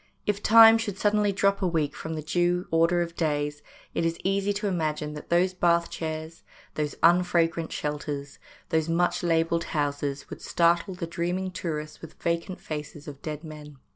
If Time should suddenly drop a week from the due order of days, it is easy to imagine that those bath chairs, those unfragrant shelters, those much labelled houses would startle the dreaming tourists with vacant faces of dead men.